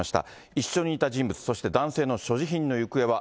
一緒にいた人物、そして男性の所持品の行方は。